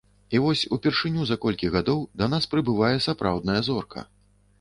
І вось упершыню за колькі гадоў да нас прыбывае сапраўдная зорка.